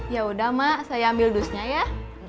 yaudah mak saya ambil dusnya ya